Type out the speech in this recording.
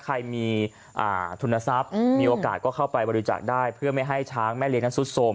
ใครมีทุนทรัพย์มีโอกาสก็เข้าไปบริจาคได้เพื่อไม่ให้ช้างแม่เลี้ยนั้นซุดโทรม